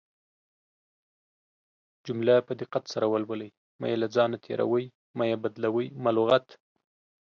جمله په دقت سره ولولٸ مه يې له ځانه تيروٸ، مه يې بدالوۍ، مه لغت